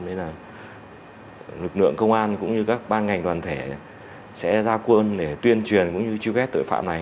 nên là lực lượng công an cũng như các ban ngành đoàn thể sẽ ra quân để tuyên truyền cũng như truy vết tội phạm này